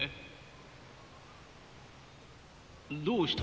どうした？